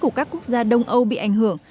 của các quốc gia đông âu bị ảnh hưởng